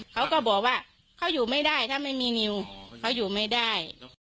เขาก็บอกว่าเขาอยู่ไม่ได้ถ้าไม่มีนิวเขาอยู่ไม่ได้